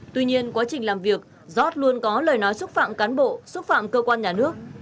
tuy nhiên quá trình làm việc giót luôn có lời nói xúc phạm cán bộ xúc phạm cơ quan nhà nước